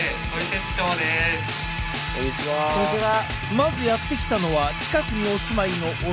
まずやって来たのは近くにお住まいのお父さん。